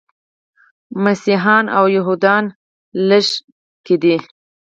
مسیحیان او یهودان لږکي دي.